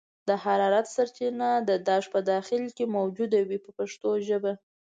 د حرارت سرچینه د داش په داخل کې موجوده وي په پښتو ژبه.